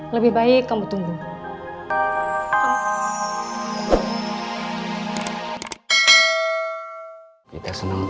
lebih baik kamu tunggu